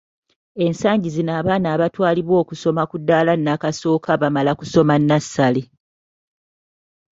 Ensangi zino abaana abatwalibwa okusoma ku ddaala nnakasooka bamala kusoma nnasale.